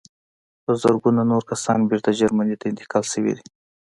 په زرګونه نور کسان بېرته جرمني ته انتقال شوي دي